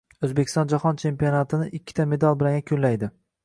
O‘zbekiston Jahon chempionatini ikkita medal bilan yakunlaydi